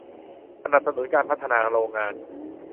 สนับสนุนการพัฒนาโรงงาน